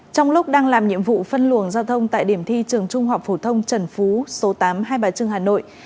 trong lúc đang làm nhiệm vụ phân luồng giao thông tại điểm thi trường trung học phổ thông trần phú số tám hai bà trưng hà nội